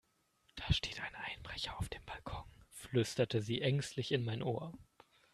Da steht ein Einbrecher auf dem Balkon, flüsterte sie ängstlich in mein Ohr.